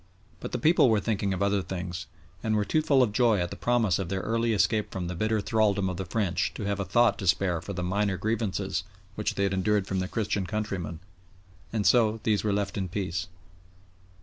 But the people were thinking of other things, and were too full of joy at the promise of their early escape from the bitter thraldom of the French to have a thought to spare for the minor grievances which they had endured from their Christian countrymen, and so these were left in peace.